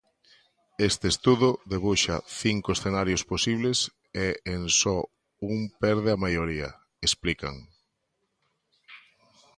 Este estudo debuxa cinco escenarios posibles e "en só un perde a maioría", explican.